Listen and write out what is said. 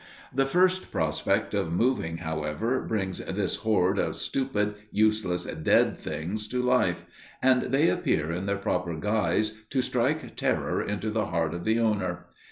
The first prospect of moving, however, brings this horde of stupid, useless, dead things to life, and they appear in their proper guise to strike terror into the heart of the owner.